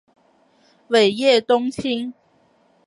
尾叶冬青